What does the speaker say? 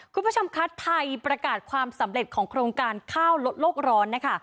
คุณผู้ชมคะไทยประกาศความสำเร็จของโครงการข้าวลดโลกร้อนนะคะ